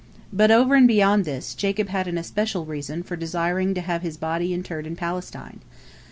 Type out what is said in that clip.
But over and beyond this, Jacob had an especial reason for desiring to have his body interred in Palestine.